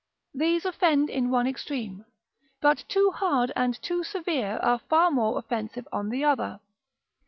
These offend in one extreme; but too hard and too severe, are far more offensive on the other.